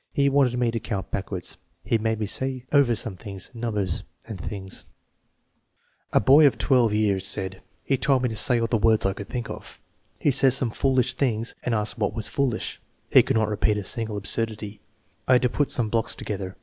He wanted me to count backwards. He made me say over some things, numbers and things." 118 THE MEASUREMENT OF INTELLIGENCE A boy of 12 years said: " He told me to say all the words I could think of. He said some foolish things and asked what was foolish [he could not repeat a single absurdity]. I had to put some blocks together.